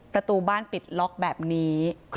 ประตูบ้านปิดล็อกแบบนี้